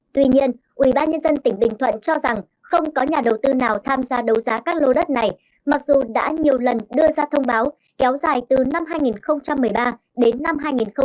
tuy nhiên ubnd tỉnh bình thuận cho rằng không có nhà đầu tư nào tham gia đấu giá các lô đất này mặc dù đã nhiều lần đưa ra thông báo kéo dài từ năm hai nghìn một mươi ba đến năm hai nghìn một mươi tám